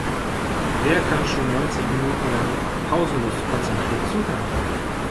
Wer kann schon neunzig Minuten lang pausenlos konzentriert zuhören?